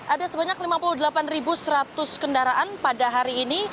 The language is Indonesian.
ada sebanyak lima puluh delapan seratus kendaraan pada hari ini